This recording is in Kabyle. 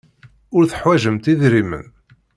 Ur teḥwajemt idrimen.